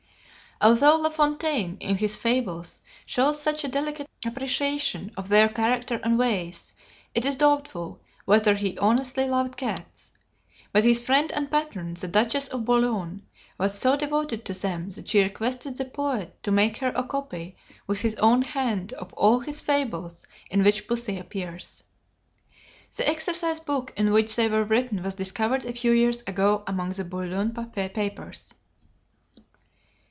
Although La Fontaine in his fables shows such a delicate appreciation of their character and ways, it is doubtful whether he honestly loved cats. But his friend and patron, the Duchess of Bouillon, was so devoted to them that she requested the poet to make her a copy with his own hand of all his fables in which pussy appears. The exercise book in which they were written was discovered a few years ago among the Bouillon papers.